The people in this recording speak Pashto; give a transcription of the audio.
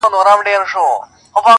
د رنگونو په اورونو کي يې ساه ده,